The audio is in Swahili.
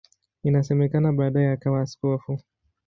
Inasemekana baadaye akawa askofu.